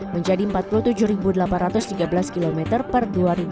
menjadi empat puluh tujuh delapan ratus tiga belas km per dua ribu dua puluh